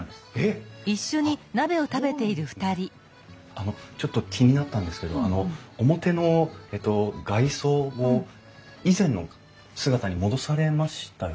あのちょっと気になったんですけど表のえっと外装を以前の姿に戻されましたよね？